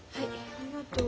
ありがとう。